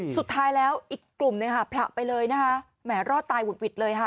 สุดท้ายแล้วอีกกลุ่มหนึ่งค่ะผละไปเลยนะคะแหมรอดตายหุดหวิดเลยค่ะ